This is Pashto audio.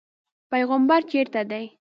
پیغمبر چېرته دی.